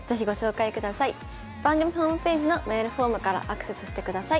番組ホームページのメールフォームからアクセスしてください。